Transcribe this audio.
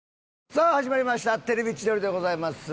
さあ始まりました『テレビ千鳥』でございます。